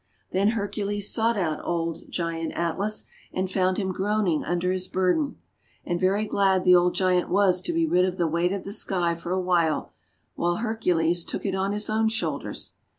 Then Hercules sought out old Giant Atlas, and found him groaning under his burden. And very glad the old Giant was to be rid of the weight of the sky for a while, while Hercules took it on his own shoulders.